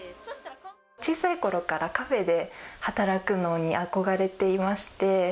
小さいころからカフェで働くことに憧れていまして。